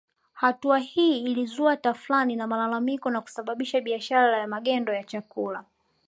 Hatua hii ilizua tafrani na malalamiko na kusababisha biashara ya magendo ya chakula